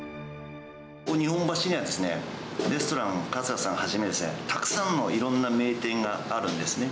日本橋には、レストラン桂さんをはじめ、たくさんのいろんな名店があるんですね。